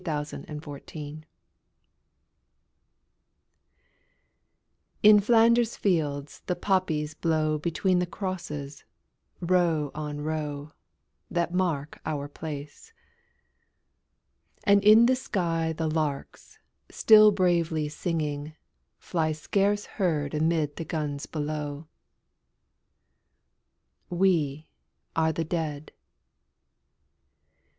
} IN FLANDERS FIELDS In Flanders fields the poppies grow Between the crosses, row on row That mark our place: and in the sky The larks still bravely singing, fly Scarce heard amid the guns below. We are the Dead.